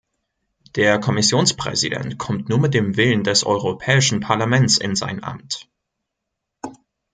Der Kommissionspräsident kommt nur mit dem Willen des Europäischen Parlaments in sein Amt.